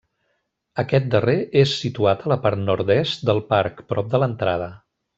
Aquest darrer és situat a la part nord-est del parc, prop de l'entrada.